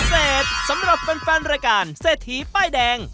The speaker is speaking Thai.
สำหรับแฟนรายการเศรษฐีป้ายแดง